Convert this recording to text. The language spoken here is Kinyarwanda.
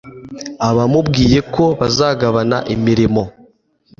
aba amubwiye ko bazagabana imirimo